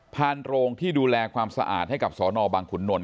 โรงที่ดูแลความสะอาดให้กับสนบังขุนนล